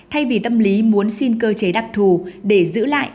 thay vì tâm lý muốn xin cơ chế đặc thù để giữ lại